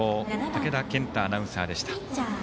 武田健太アナウンサーでした。